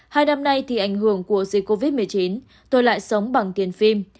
hai năm nay thì ảnh hưởng của dịch covid một mươi chín tôi lại sống bằng tiền phim